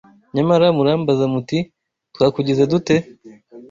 Nyamara murambaza muti ‘Twakugize dute?